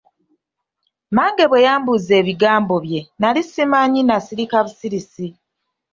Mmange bwe yambuuza ebigambo bye nnali simanyi nasirika busirisi.